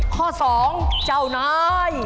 ข้อสองเจ้านาย